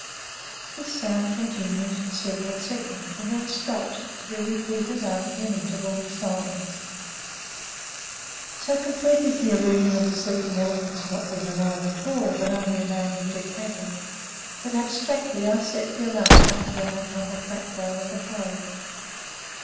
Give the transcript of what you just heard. This sound continues for several seconds and then stops, to be repeated after an interval of silence. [Illustration: A ROYAL BENGAL TIGER.] So complete is the illusion of the sleeping elephant's not being alive at all, but only a mound of dead matter, that, abstractedly, I set the alarm clock down upon the flat bone of the forehead.